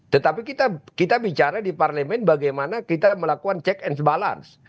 tetapi kita bicara di parlemen bagaimana kita melakukan check and balance